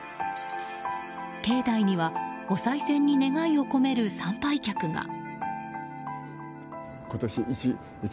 境内にはおさい銭に願いを込める参拝客が。